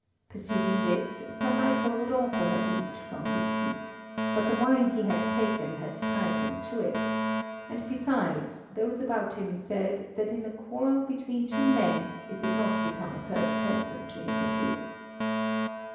Perceiving this, Sir Michael would also have leaped from his seat, but the wine he had taken had tied him to it, and besides, those about him said that in a quarrel between two men, it did not become a third person to interfere.